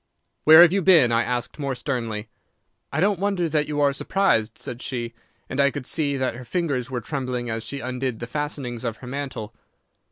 "'Where have you been?' I asked, more sternly. "'I don't wonder that you are surprised,' said she, and I could see that her fingers were trembling as she undid the fastenings of her mantle.